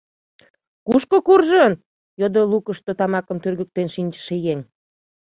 — Кушко куржын? — йодо лукышто тамакым тӱргыктен шинчыше еҥ.